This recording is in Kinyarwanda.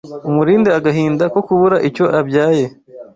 Umulinde agahinda Ko kubura icyo abyaye